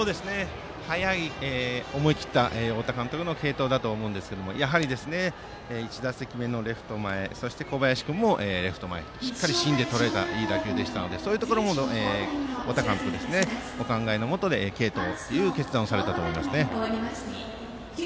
早い、思い切った太田監督の継投だと思うんですがやはり１打席目のレフト前そして小林君もレフト前としっかり芯でとらえたいい打球だったのでそういうところも太田監督のお考えのもとで継投という決断をされたと思います。